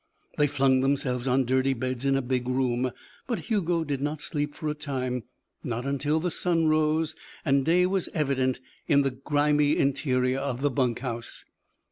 They flung themselves on dirty beds in a big room. But Hugo did not sleep for a time not until the sun rose and day was evident in the grimy interior of the bunk house.